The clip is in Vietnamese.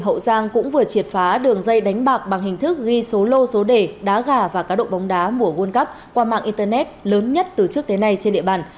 hậu giang cũng vừa triệt phá đường dây đánh bạc bằng hình thức ghi số lô số đề đá gà và cá độ bóng đá mùa world cup qua mạng internet lớn nhất từ trước đến nay trên địa bàn